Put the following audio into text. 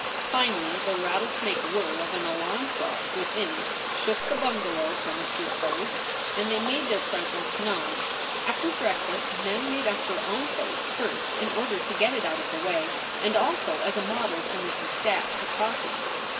Finally the rattlesnake whirr of an alarm clock within shook the bunga low from its repose and they made their presence known. After breakfast, Mem made up her own face first in order to get it out of the way, and also as a model for Mrs. Dack to copy.